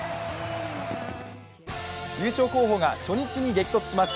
優勝候補が初日に激突します。